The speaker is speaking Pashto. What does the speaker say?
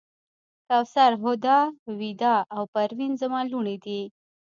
کوثر، هُدا، ویدا او پروین زما لوڼې دي.